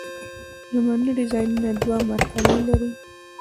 لومړني ډیزاینونه دوه مرحلې لري.